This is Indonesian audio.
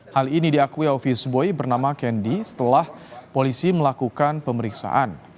hal ini diakui office boy bernama kendi setelah polisi melakukan pemeriksaan